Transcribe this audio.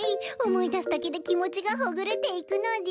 思い出すだけで気持ちがほぐれていくのでぃす。